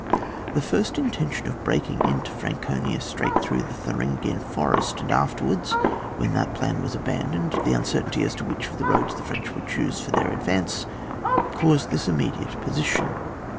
The first intention of breaking into IVan conia straight through the Thuringian Forest, and afkerwards, when that plan was abandoned, the uncertainty as to which of the roads the French trould choose for their advance, caused this intermediate position.